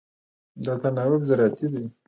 دا تناوب زراعتي دی.